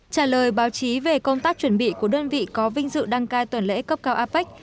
trả lời báo chí về công tác chuẩn bị của đơn vị có vinh dự đăng cai tuần lễ cấp cao apec